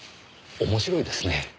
面白いですね。